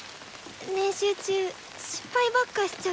練習中失敗ばっかしちゃって。